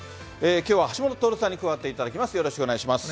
きょうは橋下徹さんに加わっていただきます。